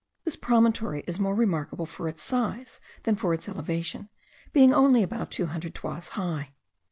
This promontory is more remarkable for its size than for its elevation, being only about two hundred toises high.